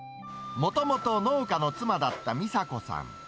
もともと農家の妻だったみさ子さん。